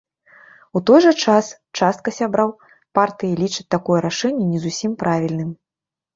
У той жа час частка сябраў партыі лічаць такое рашэнне не зусім правільным.